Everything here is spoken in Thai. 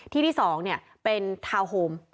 ที่ที่สองเนี่ยเป็นทาวน์โฮม